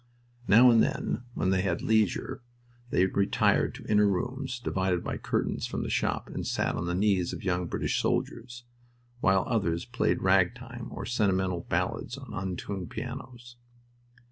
Now and then, when they had leisure, they retired to inner rooms, divided by curtains from the shop, and sat on the knees of young British officers, while others played ragtime or sentimental ballads on untuned pianos.